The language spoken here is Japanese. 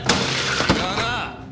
違うな！